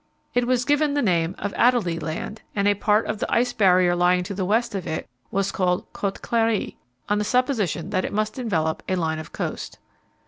It was given the name of Adélie Land, and a part of the ice barrier lying to the west of it was called C^ote Clarie, on the supposition that it must envelop a line of coast.